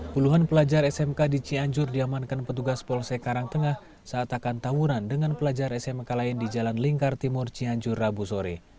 puluhan pelajar smk di cianjur diamankan petugas polsek karangtengah saat akan tawuran dengan pelajar smk lain di jalan lingkar timur cianjur rabu sore